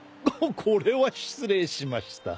これは失礼しました。